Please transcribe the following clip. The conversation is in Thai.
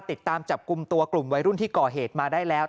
ติดตามจับกลุ่มตัวกลุ่มวัยรุ่นที่ก่อเหตุมาได้แล้ว